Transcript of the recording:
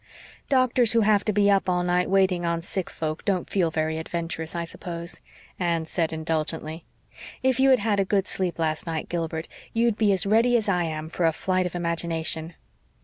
"Doctors who have to be up all night waiting on sick folk don't feel very adventurous, I suppose," Anne said indulgently. "If you had had a good sleep last night, Gilbert, you'd be as ready as I am for a flight of imagination."